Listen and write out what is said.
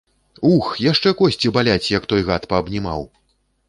Ух, яшчэ косці баляць, як той гад паабнімаў!